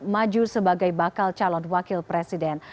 maju sebagai bakal calon wakil presiden